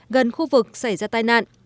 gần khu vực xảy ra tai nạn